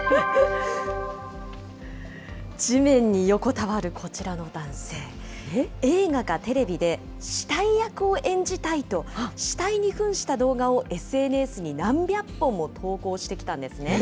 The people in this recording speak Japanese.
地面に横たわるこちらの男性、映画かテレビで死体役を演じたいと、死体にふんした動画をＳＮＳに何百本も投稿してきたんですね。